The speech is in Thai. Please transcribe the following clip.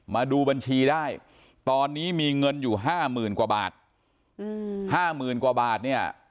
มาดูบัญชีได้ตอนนี้มีเงินอยู่ห้าหมื่นกว่าบาทห้าหมื่นกว่าบาทเนี่ย